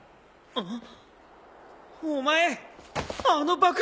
あっ！